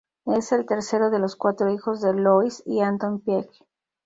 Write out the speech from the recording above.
Es el tercero de los cuatro hijos de Louise y Anton Piëch.